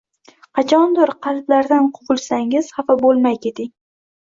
Qachondir qalblardan quvilsangiz xafa bo’lmay keting